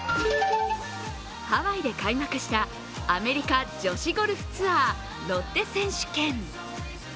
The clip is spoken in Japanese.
ハワイで開幕したアメリカ女子ゴルフツアーロッテ選手権。